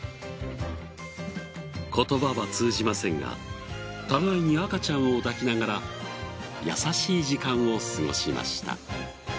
言葉は通じませんが互いに赤ちゃんを抱きながら優しい時間を過ごしました。